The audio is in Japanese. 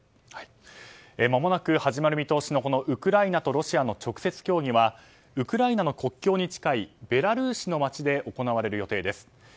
まもなく始まる見通しのウクライナとロシアの直接協議はウクライナの国境に近いベラルーシの街で行われる予定です。